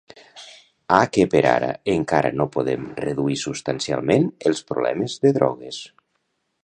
Ha que per ara encara no podem reduir substancialment els problemes de drogues.